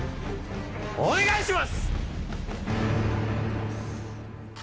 お願いします！